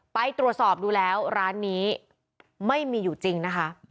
ไปตรวจสอบดูแล้วร้านนี้ไม่มีอยู่จริงนะคะ